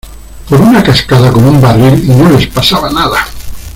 por una cascada con un barril y no les pasaba nada.